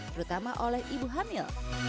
terutama oleh ibu hamil